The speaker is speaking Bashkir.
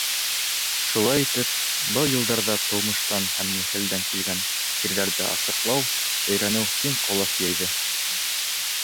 Шулай итеп, был йылдарҙа тыумыштан һәм нәҫелдән килгән сирҙәрҙе асыҡлау, өйрәнеү киң ҡолас йәйҙе.